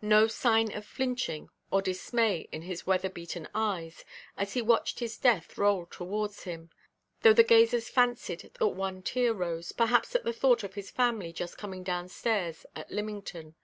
No sign of flinching or dismay in his weather–beaten eyes, as he watched his death roll towards him; though the gazers fancied that one tear rose, perhaps at the thought of his family just coming down–stairs at Lymington.